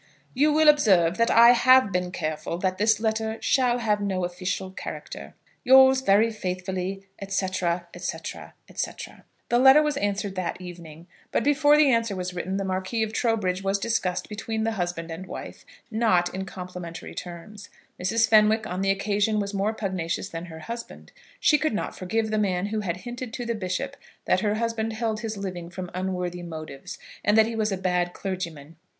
You will observe that I have been careful that this letter shall have no official character. Yours very faithfully, &c., &c., &c. The letter was answered that evening, but before the answer was written, the Marquis of Trowbridge was discussed between the husband and wife, not in complimentary terms. Mrs. Fenwick on the occasion was more pugnacious than her husband. She could not forgive the man who had hinted to the bishop that her husband held his living from unworthy motives, and that he was a bad clergyman.